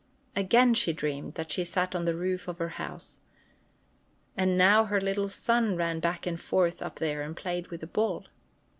Again she dreamed that she sat on the roof of her house, and now her little son ran back and forth up there, and played with a ball.